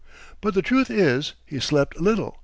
But the truth is, he slept little.